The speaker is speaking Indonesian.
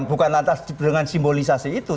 bukan lantas dengan simbolisasi itu